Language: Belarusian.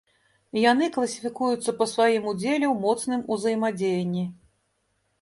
Яны класіфікуюцца па сваім удзеле ў моцным узаемадзеянні.